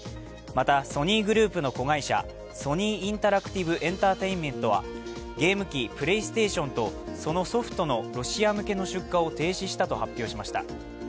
またソニーグループの子会社、ソニー・インタラクティブエンタテインメントはゲーム機、プレイステーションとそのソフトのロシア向けの出荷を停止したと発表しました。